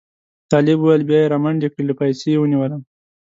طالب وویل بیا یې را منډې کړې له پایڅې یې ونیولم.